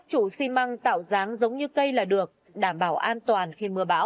cắt trụ xi măng tạo dáng giống như cây là được đảm bảo an toàn khi mưa bão